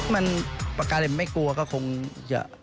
มันปากกาเหล็กไม่กลัวก็คงจะ